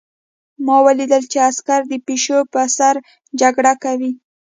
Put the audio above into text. ما ولیدل چې عسکر د پیشو په سر جګړه کوي